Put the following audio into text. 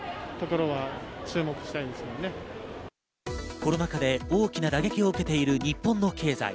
コロナ禍で大きな打撃を受けている日本の経済。